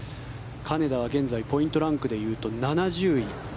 金田は現在ポイントランクでいうと７０位。